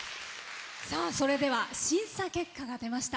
それでは、審査結果が出ました。